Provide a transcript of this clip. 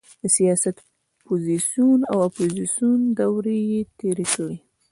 د سیاست پوزیسیون او اپوزیسیون دورې یې تېرې کړې.